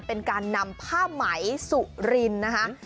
เป็นการนำผ้าไหมสุรินนะคะ